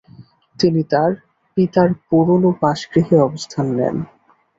তিনি তার পিতার পুরনো বাসগৃহে অবস্থান নেন।